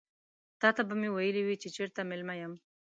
تاته به مې ويلي وي چې چيرته مېلمه یم.